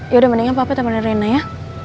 yaudah mendingnya papa temenin rina ya